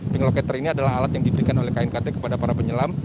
ping locator ini adalah alat yang diberikan oleh knkt kepada para penyelam